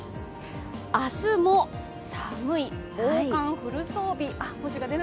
明日も寒い、防寒フル装備。